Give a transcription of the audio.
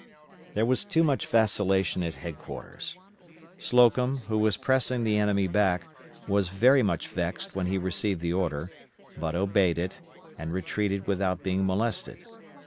There was too much vacillation at headquarters. Slocum, who was pressing the enemy back, was very much vexed when he received the order, but obeyed it, and retreated without being molested.